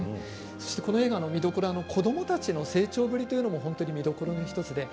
この映画の見どころは子どもたちの成長ぶりというのも本当に見どころの１つです。